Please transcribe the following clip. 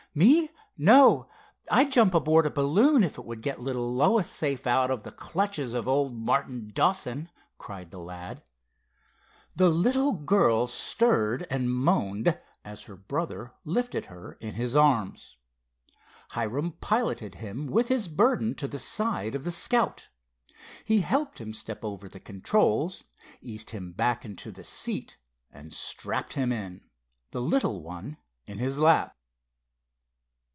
"Me? No. I'd jump aboard a balloon if it would get little Lois safe out of the clutches of old Martin Dawson!" cried the lad. The little girl stirred and moaned, as her brother lifted her in his arms. Hiram piloted him with his burden to the side of the Scout. He helped him step over the controls, eased him back into the seat and strapped him in, the little one in his lap.